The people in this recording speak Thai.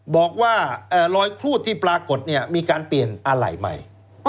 บอกว่ารอยครูดที่ปรากฏเนี่ยมีการเปลี่ยนอะไหล่ใหม่